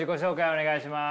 お願いします。